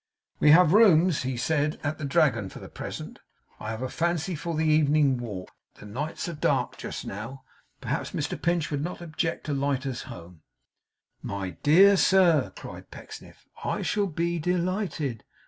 'We have rooms,' he said, 'at the Dragon, for the present. I have a fancy for the evening walk. The nights are dark just now; perhaps Mr Pinch would not object to light us home?' 'My dear sir!' cried Pecksniff, 'I shall be delighted.